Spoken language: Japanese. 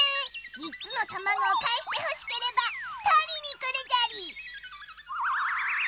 ３つのたまごをかえしてほしければとりにくるじゃりー。